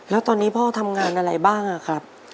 แล้วตอนนี้พ่อทำงานอะไรบ้างครับ